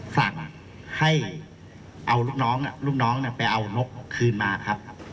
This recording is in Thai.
สั่งให้เอาลูกน้องลูกน้องไปเอานกคืนมาครับ